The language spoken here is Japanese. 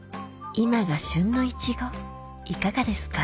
今が旬のいちごいかがですか？